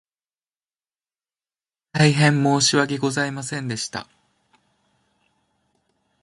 大変申し訳ございませんでした